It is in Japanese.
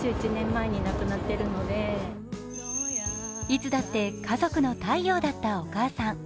いつだって家族の太陽だったお母さん。